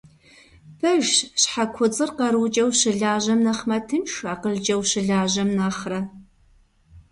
Пэжщ, щхьэ куцӀыр къарукӀэ ущылажьэм нэхъ мэтынш, акъылкӀэ ущылажьэм нэхърэ.